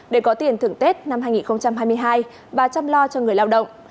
để có tiền thưởng tết năm hai nghìn hai mươi hai và chăm lo cho người lao động